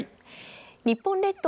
日本列島